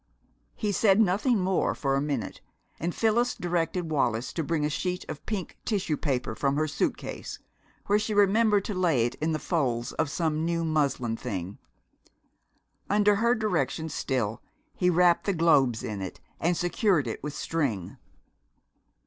He said nothing more for a minute, and Phyllis directed Wallis to bring a sheet of pink tissue paper from her suit case, where she remembered it lay in the folds of some new muslin thing. Under her direction still, he wrapped the globes in it and secured it with string.